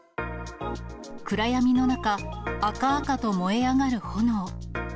暗闇の中、赤々と燃え上がる炎。